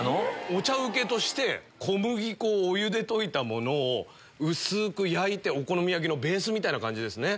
お茶請けとして小麦粉をお湯で溶いたものを薄く焼いてお好み焼きのベースみたいな感じですね。